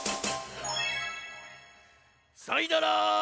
さいなら。